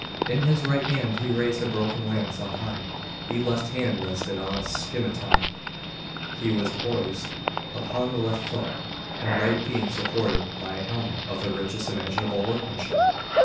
In his right hand he raised a broken lance on high; his left hand rested on a scimitar; he was poised upon the left foot, the right being supported by a helmet of the richest imaginable workmanship.